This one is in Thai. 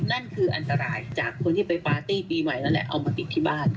นั่นคืออันตรายจากคนที่ไปปาร์ตี้ปีใหม่นั่นแหละเอามาติดที่บ้าน